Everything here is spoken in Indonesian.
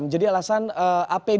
menjadi alasan ap dua